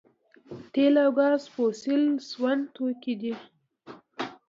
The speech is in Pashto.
تیل او ګاز فوسیل سون توکي دي